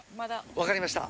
わかりました。